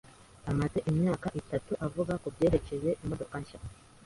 amaze imyaka itatu avuga kubyerekeye imodoka nshya.